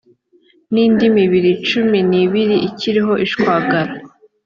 n indi mibiri cumi n ibiri ikiriho ishwagara